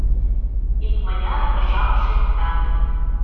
Икмыняр жап шоктат.